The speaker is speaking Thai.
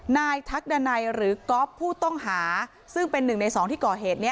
ทักดันัยหรือก๊อฟผู้ต้องหาซึ่งเป็นหนึ่งในสองที่ก่อเหตุนี้